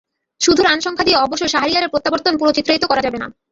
শুধু রানসংখ্যা দিয়ে অবশ্য শাহরিয়ারের প্রত্যাবর্তন পুরো চিত্রায়িত করা যাবে না।